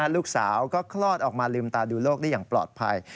ลูกสาวก็คลอดออกมาลืมตาดูโลกได้อย่างปลอดภัย